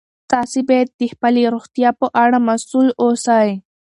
تاسي باید د خپلې روغتیا په اړه مسؤل اوسئ.